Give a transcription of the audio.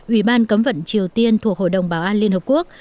ủy ban cấm vận triều tiên thuộc hội đồng bảo an liên hợp quốc